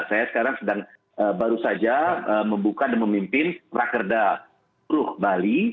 saya sekarang sedang baru saja membuka dan memimpin rakerda ruh bali